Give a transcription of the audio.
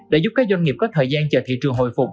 đã giúp các doanh nghiệp có thời gian chờ thị trường hồi phục